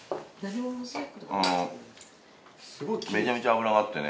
あのめちゃめちゃ脂があってね。